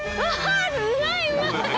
うまいうまい！